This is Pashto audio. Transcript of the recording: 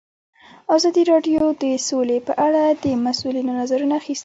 ازادي راډیو د سوله په اړه د مسؤلینو نظرونه اخیستي.